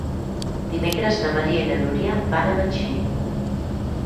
Dimecres na Maria i na Núria van a Betxí.